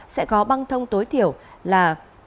sẽ có băng thông tối thiểu là